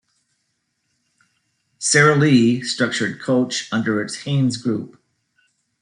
Sara Lee structured Coach under its Hanes Group.